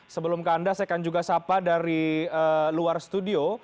sebelum ke anda saya akan juga sapa dari luar studio